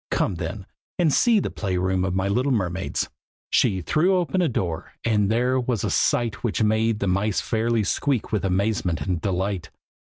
Come then, and see the play room of my little mermaids!" She threw open a door, and there was a sight which made the mice fairly squeak with amazement and delight.